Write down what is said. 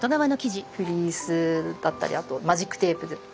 フリースだったりあとマジックテープで。